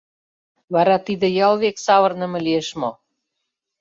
Вара тиде ял век савырныме лиеш мо?